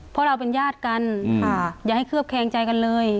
เพราะเราเป็นญาติกันอย่าให้เคลือบแคงใจกันเลย